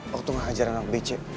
waktu ngajarin anak bc